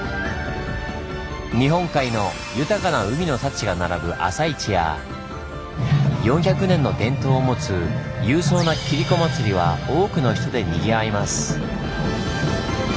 日本海の豊かな海の幸が並ぶ朝市や４００年の伝統を持つ勇壮な「キリコ祭り」は多くの人でにぎわいます。